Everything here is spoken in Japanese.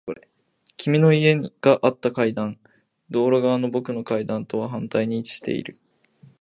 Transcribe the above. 君の家があった階段。道路側の僕の階段とは反対に位置している。